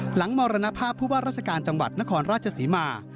หลังมรณภาพผู้ว่ารัศกาลจังหวัดนครราชสีมา